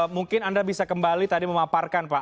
mungkin anda bisa kembali tadi memaparkan pak